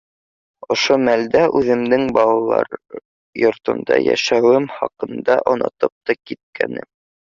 Ошо мәлдә үҙемдең балалар йортонда йәшәүем хаҡында онотоп та киткәнмен.